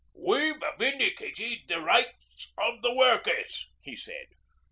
'We've vindicated the rights of the workers,' he said.